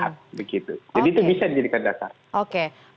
jadi itu bisa dijadikan dasar